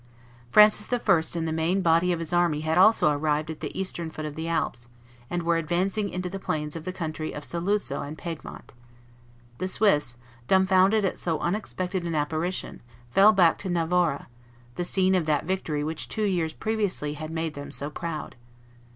Francis I. and the main body of his army had also arrived at the eastern foot of the Alps, and were advancing into the plains of the country of Saluzzo and Piedmont. The Swiss, dumbfounded at so unexpected an apparition, fell back to Novara, the scene of that victory which two years previously had made them so proud.